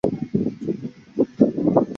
死前的女朋友苑琼丹陪伴在旁。